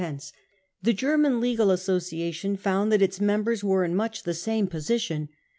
The German legal association found that its members were in much the same position.